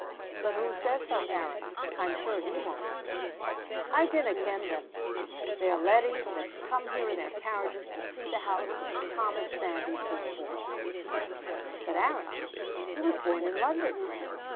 "But who says so, Aaron? I am sure he won't." "I dinna ken them. They are leddies that come here in their carriages to see the house where Thomas Sandys was born." "But, Aaron, he was born in London!"